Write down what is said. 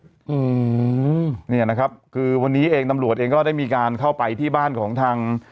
อืมเนี่ยนะครับคือวันนี้เองตำรวจเองก็ได้มีการเข้าไปที่บ้านของทาง